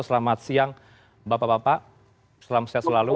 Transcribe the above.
selamat siang bapak bapak selamat siang selalu